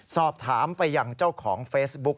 สอบถามไปยังเจ้าของเฟซบุ๊ก